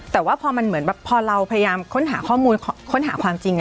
แต่ว่าพอเราพยายามค้นหาข้อมูลค้นหาความจริง